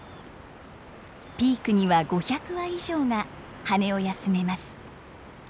ピークには５００羽以上が羽を休めます。